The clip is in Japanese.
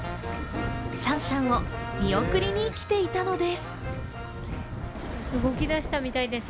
シャンシャンを見送りに来ていたのです。